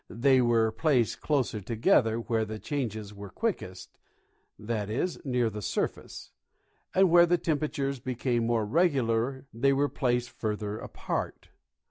They were placed closer together where the changes were quickest — i. e., near the surface — and Avhere the temperatures became more regular they were placed further apart.